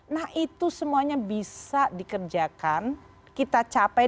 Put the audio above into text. nah itu semuanya bisa dikerjakan kita capai